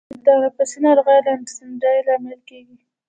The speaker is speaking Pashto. ککړه هوا د تنفسي ناروغیو او سالنډۍ لامل کیږي